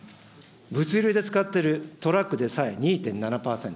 物流で使っているトラックでさえ２．７％。